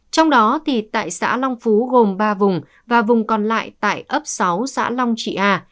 trong đó tại xã long phú gồm ba vùng và vùng còn lại tại ấp sáu xã long trị a